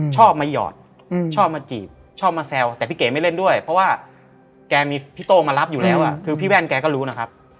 ชอบมาหยอดชอบมาจีบชอบมาแซวแต่พี่เก๋ไม่เล่นด้วยเพราะว่าแกมีพี่โต้มารับอยู่แล้วคือพี่แว่นแกก็รู้นะครับ